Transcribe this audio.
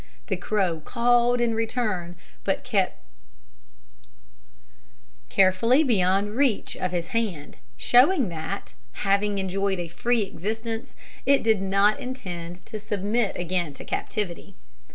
The crow cawed in return, but kept carefully beyond reach of his hand; showing that, having enjoyed a free existence, it did not intend to submit again to captivity.